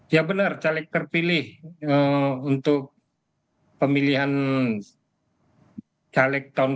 ya benar caleg terpilih untuk pemilihan caleg tahun dua ribu dua puluh